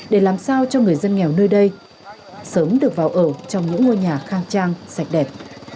để làm sao cho người dân nghèo nơi đây sớm được vào ở trong những ngôi nhà khang trang sạch đẹp